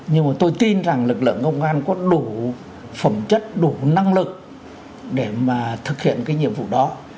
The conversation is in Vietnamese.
nhưng mà tôi tin rằng lực lượng công an có đủ phẩm chất đủ năng lực để mà thực hiện cái nhiệm vụ đó